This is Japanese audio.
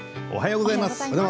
おはようございます。